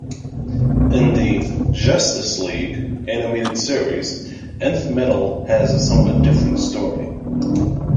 In the "Justice League" animated series, Nth metal has a somewhat different history.